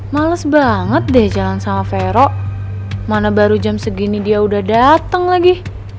males banget deh jalan sama vero mana baru jam segini dia udah dateng lagi